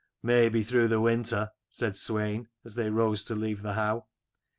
"Maybe through the winter," said Swein, as they rose to leave the howe.